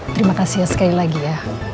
terima kasih ya sekali lagi ya